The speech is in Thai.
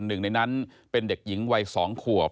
หนึ่งในนั้นเป็นเด็กหญิงวัย๒ขวบ